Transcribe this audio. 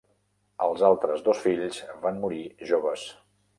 Els altres dos fills van morir joves.